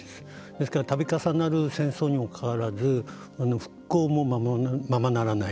ですから、たび重なる戦争にもかかわらず復興もままならない。